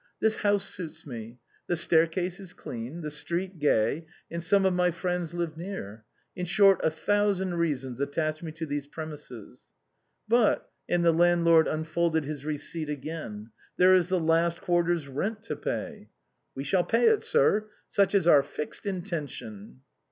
This house suits me. The stair case is clean, the street gay, and some of my friends live near; in short, a thousand reasons attach me to these premises." " But," and the landlord unfolded his receipt again, "there is the last quarter's rent to pay." " We shall pay it, sir. Such is our fixed intention."